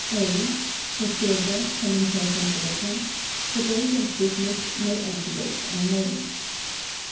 A. For silver, common salt and water; for gold and bismuth, no antidotes are known.